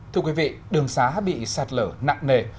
thưa quý vị đường xá bị sạt lở nặng nề